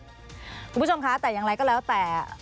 คุณผู้ชมคะแต่อย่างไรก็แล้วแต่